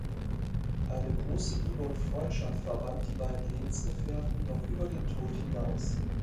Eine große Liebe und Freundschaft verband die beiden Lebensgefährten noch über den Tod hinaus.